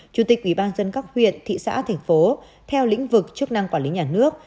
chủ tịch ủy ban dân các huyện thị xã thành phố theo lĩnh vực chức năng quản lý nhà nước